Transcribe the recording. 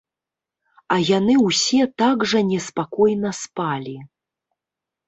А яны ўсе так жа неспакойна спалі.